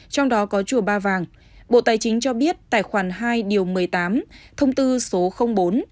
trong đó có chùa ba vàng bộ tài chính cho biết tài khoản hai điều một mươi tám thông tư số bốn hai nghìn hai mươi ba